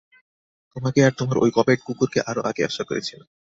তোমাকে আর তোমার ওই গবেট কুকুরকে আরও আগে আশা করেছিলাম।